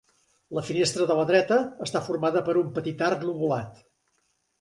La finestra de la dreta està formada per un petit arc lobulat.